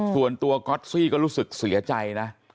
ส่วนตัวก๊อตซี่ก็รู้สึกเสียใจนะ